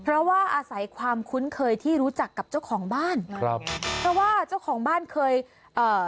เพราะว่าอาศัยความคุ้นเคยที่รู้จักกับเจ้าของบ้านครับเพราะว่าเจ้าของบ้านเคยเอ่อ